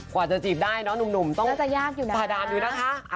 กว่าจะจีบได้เนาะหนุ่มต้องพาดามอยู่นะคะ